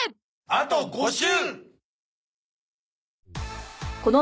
あと５週！